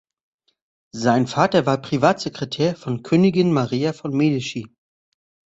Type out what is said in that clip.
Sein Vater war Privatsekretär von Königin Maria von Medici.